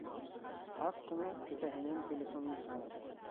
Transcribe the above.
Һаҡ ҡына кеҫәһенән телефонын сығарҙы.